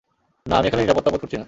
না, আমি এখানে নিরাপত্তা বোধ করছিনা।